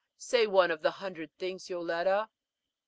"Say one of the hundred things, Yoletta."